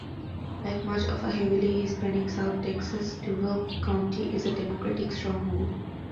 Like much of heavily Hispanic South Texas, Duval County is a Democratic stronghold.